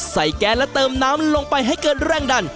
แก๊สและเติมน้ำลงไปให้เกินแรงดัน